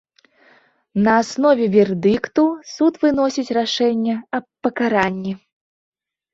На аснове вердыкту суд выносіць рашэнне аб пакаранні.